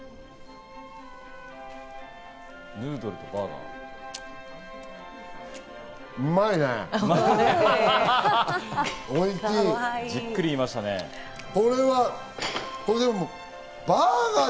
ヌードルとバーガー。